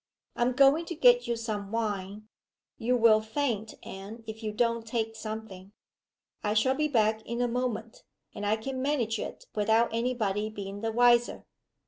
"I am going to get you some wine you will faint, Anne, if you don't take something. I shall be back in a moment; and I can manage it without any body being the wiser."